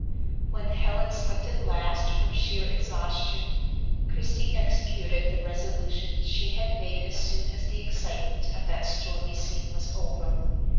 When Helen slept at last from sheer exhaustion, Christie executed the resolution she had made as soon as the excitement of that stormy scene was over.